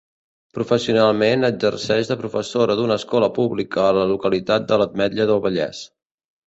Professionalment, exerceix de professora d'una escola pública a la localitat de l'Ametlla del Vallès.